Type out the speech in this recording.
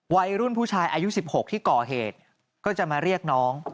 วัยรุ่นผู้ชายอายุ๑๖ที่ก่อเหตุก็จะมาเรียกน้อง